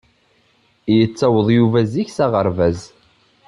Yettaweḍ Yuba zik s aɣerbaz.